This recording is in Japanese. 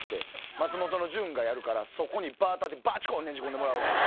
松本の潤がやるからそこにバーターでバチコンねじ込んでもらう。